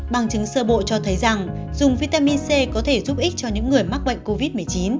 bằng chứng sơ bộ cho thấy rằng dùng vitamin c có thể giúp ích cho những người mắc bệnh covid một mươi chín